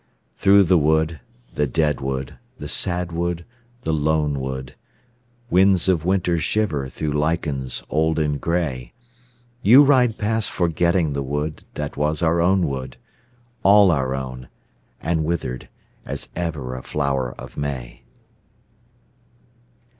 Through the wood, the dead wood, the sad wood, the lone wood, Winds of winter shiver through lichens old and grey, You ride past forgetting the wood that was our own wood, All our own and withered as ever a flower of May.